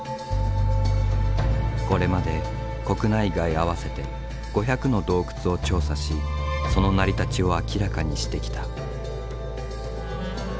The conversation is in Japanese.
これまで国内外合わせて５００の洞窟を調査しその成り立ちを明らかにしてきた。